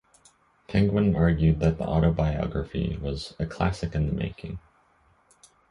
Penguin argued that the autobiography was "a classic in the making".